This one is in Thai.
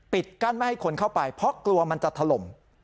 กั้นไม่ให้คนเข้าไปเพราะกลัวมันจะถล่ม